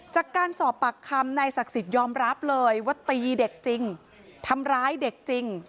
จากการสอบปากคำนายศักดิ์สิทธิ์ยอมรับเลยว่าตีเด็กจริงทำร้ายเด็กจริง